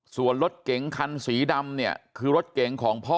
ส่วนรถเก๋งคันสีดำเนี่ยคือรถเก๋งของพ่อ